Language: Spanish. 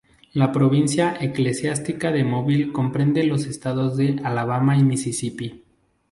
La Provincia Eclesiástica de Mobile comprende los estados de Alabama y Misisipi.